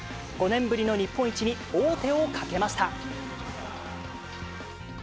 ５年ぶりの日本一に王手をかけました。